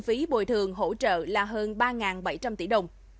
phí bồi thường hỗ trợ là hơn ba bảy trăm linh tỷ đồng